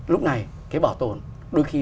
lúc này cái bảo tồn đôi khi